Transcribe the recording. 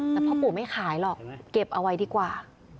แต่พ่อปู่ไม่ขายหรอกเก็บเอาไว้ดีกว่า